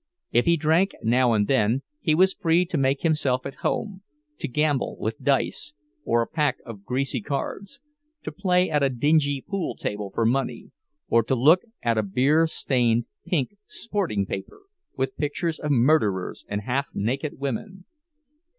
If he drank now and then he was free to make himself at home, to gamble with dice or a pack of greasy cards, to play at a dingy pool table for money, or to look at a beer stained pink "sporting paper," with pictures of murderers and half naked women.